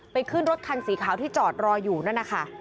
ขึ้นรถคันสีขาวที่จอดรออยู่นั่นนะคะ